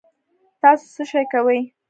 تاسو څه شئ کوی